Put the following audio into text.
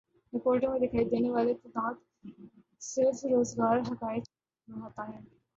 رپورٹوں میں دکھائی دینے والا تضاد صرف روزگار حقائق کی اہمیت بڑھاتا ہے